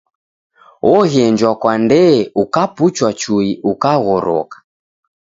Oghenjwa kwa ndee ukapuchwa chui ukaghoroka.